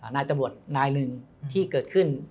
นายตำรวจนายหนึ่งที่เกิดขึ้น